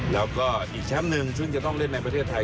แล้วก็อีกแชมป์หนึ่งซึ่งจะต้องเล่นในประเทศไทย